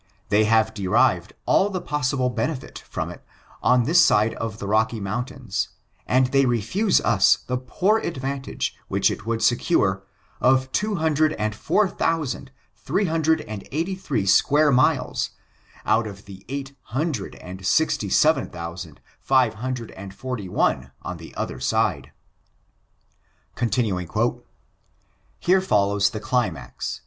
They have derived all the possible benefit fi*om it on this side of the Rocky Mountains, and they refiise us the poor advantage which it would secure, of two hundred and four thousand, three hundred and eighty three square miles, out of eight hundred and sixty seven thousand, five hundred and forty one ou the other side !' '*Here foUows the climax.